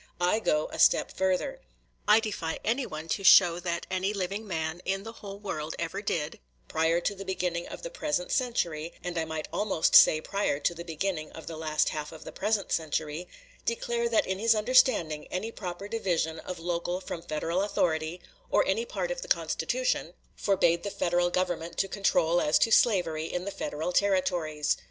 I go a step further. I defy any one to show that any living man in the whole world ever did, prior to the beginning of the present century (and I might almost say prior to the beginning of the last half of the present century), declare that in his understanding any proper division of local from Federal authority, or any part of the Constitution, forbade the Federal Government to control as to slavery in the Federal Territories.